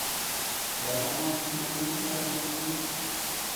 L’amendement est-il maintenu, madame Massonneau?